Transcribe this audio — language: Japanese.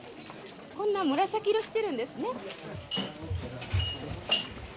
こんな紫色してるんですね。